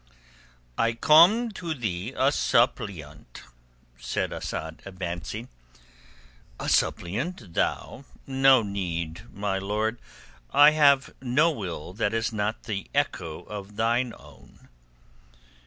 "I come to thee a suppliant," said Asad, advancing. "A suppliant, thou? No need, my lord. I have no will that is not the echo of thine own."